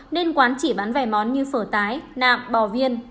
nên quán chỉ bán vài món như phở tái nạm bò viên